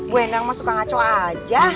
bu endang mah suka ngaco aja